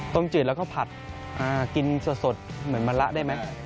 จืดแล้วก็ผัดกินสดเหมือนมะละได้ไหม